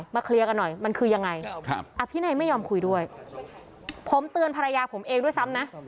พี่ไหนไม่ยอมคุยด้วยผมเตือนภรรยาผมเองด้วยซ้ำนะ